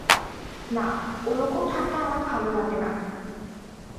না, ওরকম ঠাট্টা আমার ভালো লাগে না।